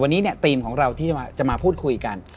วันนี้เนี่ยทีมของเราที่จะมาพูดคุยกัน